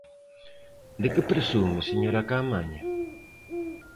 ¿De que presume, señora Caamaño?